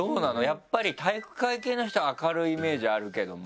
やっぱり体育会系の人は明るいイメージあるけども。